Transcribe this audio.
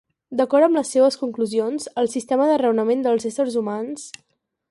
D'acord amb les seues conclusions, el sistema de raonament dels éssers humans...